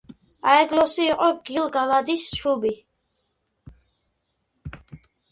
აეგლოსი იყო გილ-გალადის შუბი.